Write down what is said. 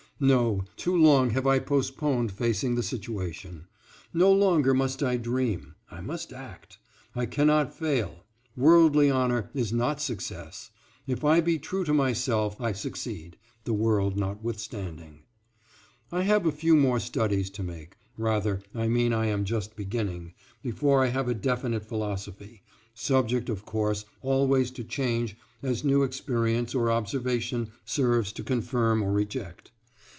No, too long have I postponed facing the situation. No longer must I dream. I must act. I cannot fail; worldly honor is not success. If I be true to myself I succeed, the world notwithstanding. I have a few more studies to make, rather I mean I am just beginning before I have a definite philosophy, subject, of course, always to change as new experience or observation serves to confirm or reject.